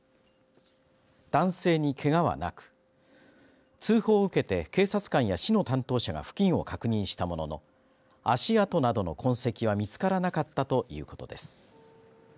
男性にけがはなく通報を受けて警察官や市の担当者が付近を確認したものの足跡などの痕跡は見つからなかったということです。